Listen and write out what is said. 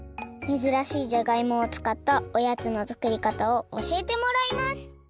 めずらしいじゃがいもを使ったおやつの作りかたをおしえてもらいます！